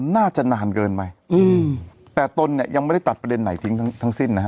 น่าจะนานเกินไปอืมแต่ตนเนี้ยยังไม่ได้ตัดทั้งสิ้นนะฮะ